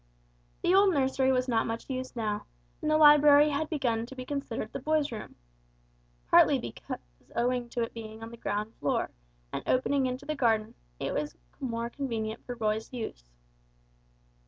The old nursery was not much used now, and the library had begun to be considered the boys' room, partly because owing to it being on the ground floor, and opening into the garden, it was more convenient for Roy's use.